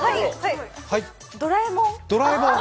ドラえもん？